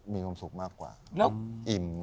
มีความสุขมากกว่าอิ่มมาก